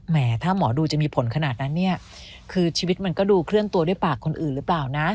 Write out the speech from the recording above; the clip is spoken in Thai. ถ้าหมอดูจะมีผลขนาดนั้นเนี่ยคือชีวิตมันก็ดูเคลื่อนตัวด้วยปากคนอื่นหรือเปล่านะ